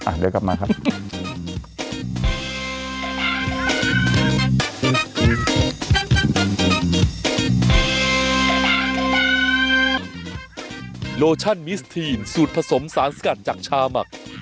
เดี๋ยวกลับมาครับ